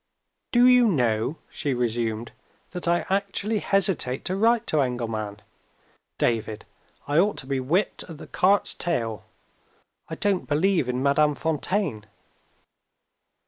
"Do you know," she resumed, "that I actually hesitate to write to Engelman? David! I ought to be whipped at the cart's tail. I don't believe in Madame Fontaine."